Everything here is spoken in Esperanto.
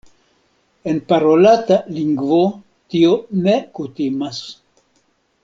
En parolata lingvo tio ne kutimas.